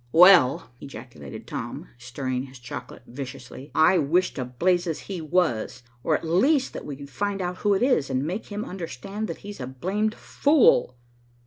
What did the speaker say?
"Well," ejaculated Tom, stirring his chocolate viciously, "I wish to blazes he was, or at least that we could find out who it is, and make him understand that he's a blamed fool."